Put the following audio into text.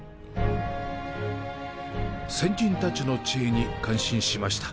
先人たちの知恵に感心しました。